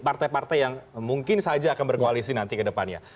partai partai yang mungkin saja akan berkoalisi nanti ke depannya